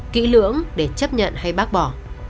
kỹ lưỡng để chấp nhận hay bác bỏ